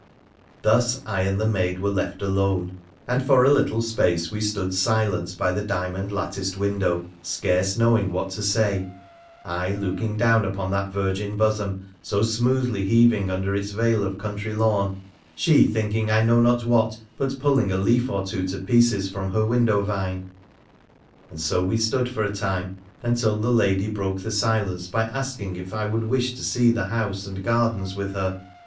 Thus I and the maid were left alone, and for a little space we stood silent by the diamond latticed window, scarce know ing what to say — I looking down upon that virgin bosom, so smoothly heaving under its veil of country lawn, she thinking I know not what, but pulling a leaf or two to pieces from her window vine. And so we stood for a time, until the lady broke the silence by asking if I would wish to see the house and gardens with her